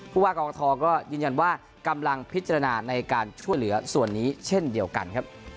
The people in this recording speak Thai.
ผู้ว่ากองทอก็ยืนยันว่ากำลังพิจารณาในการช่วยเหลือส่วนนี้เช่นเดียวกันครับ